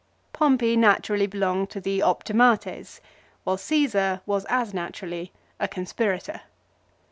Pompey naturally belonged to the " optimates," while Caesar was as naturally a conspirator.